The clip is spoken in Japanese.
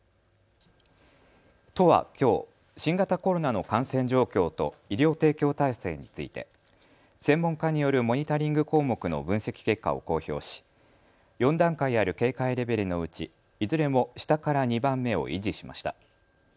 都はきょう、新型コロナの感染状況と医療提供体制について専門家によるモニタリング項目の分析結果を公表し、４段階ある警戒レベルのうちいずれも下から２番目を維持しました。